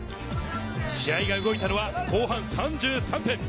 試合が動いたのは後半３３分。